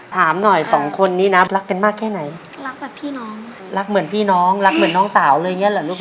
อ๋ออยากใส่ชุดค่ะอ๋ออยากใส่ชุดค่ะอ๋ออยากใส่ชุดค่ะอ๋ออยากใส่ชุดค่ะ